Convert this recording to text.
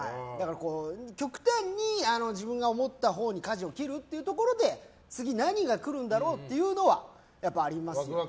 極端に自分が思ったほうにかじを切るというところで次、何が来るんだろうというのはありますよ。